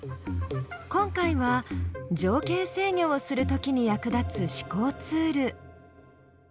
今回は条件制御をするときに役立つ思考ツール。